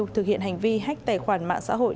thực hiện hành vi hách tài khoản mạng xã hội